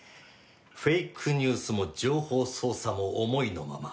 フェイクニュースも情報操作も思いのまま。